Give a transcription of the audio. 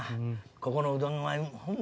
ここのうどんホンマ